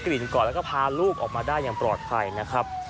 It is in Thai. ลิ่นก่อนแล้วก็พาลูกออกมาได้อย่างปลอดภัยนะครับ